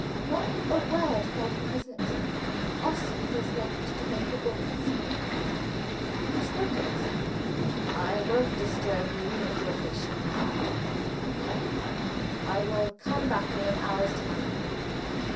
Not a word fell from his lips. Oscar was left to break the awkward silence. He spoke to Grosse. "I won't disturb you and your patient now," he said. "I will come back in an hour's time."